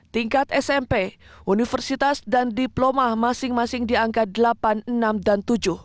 tingkat smp universitas dan diploma masing masing dianggap delapan enam dan tujuh